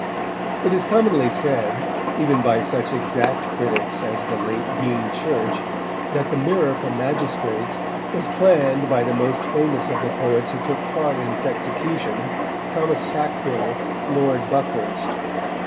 It is commonly said, even by such exact critics as the late Dean Church, that the Mirror for Magistrates was planned by the most famous of the poets who took part in its execution, Thomas Sackville, Lord Buckhurst.